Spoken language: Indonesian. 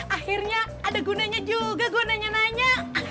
akhirnya ada gunanya juga gue nanya nanya